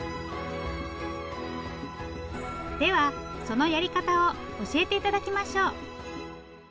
ではそのやり方を教えて頂きましょう。